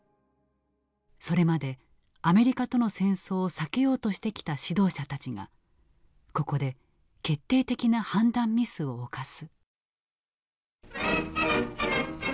それまでアメリカとの戦争を避けようとしてきた指導者たちがここで決定的な判断ミスを犯す。